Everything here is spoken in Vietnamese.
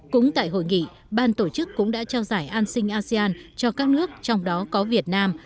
cũng tại hội nghị ban tổ chức cũng đã trao giải an sinh asean cho các nước trong đó có việt nam